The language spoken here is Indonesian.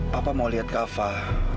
papa mau lihat kak afah